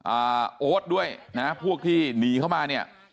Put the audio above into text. โอ๊ตด้วยนะพวกที่หนีเข้ามาเนี่ย